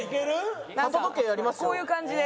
こういう感じで。